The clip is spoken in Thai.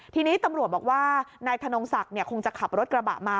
ทีนี้ตำรวจบอกว่านายธนงศักดิ์คงจะขับรถกระบะมา